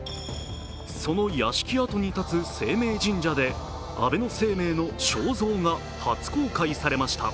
その屋敷跡に立つ晴明神社で安倍晴明の肖像が初公開されました。